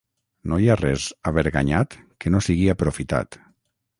No hi ha res averganyat que no sigui aprofitat.